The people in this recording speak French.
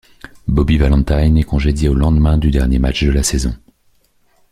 Bobby Valentine est congédié au lendemain du dernier match de la saison.